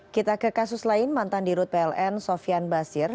kita ke kasus lain mantan di rut pln sofian basir